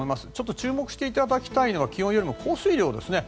注目していただきたいのは気温より降水量です。